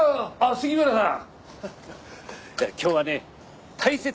杉村さん。